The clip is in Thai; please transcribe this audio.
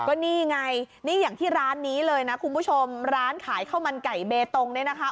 ก็นี่ไงนี่อย่างที่ร้านนี้เลยนะคุณผู้ชมร้านขายข้าวมันไก่เบตงเนี่ยนะคะ